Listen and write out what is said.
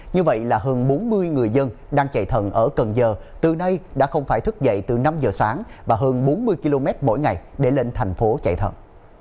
như vậy là hơn bốn mươi người dân đang chạy thần ở cần giờ từ nay đã không phải thức dậy từ năm giờ sáng và hơn bốn mươi km mỗi ngày để lên thành phố chạy thần